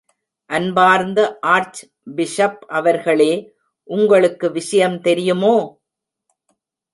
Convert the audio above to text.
அன்பார்ந்த archbishop அவர்களே, உங்களுக்கு விஷயம் தெரியுமோ?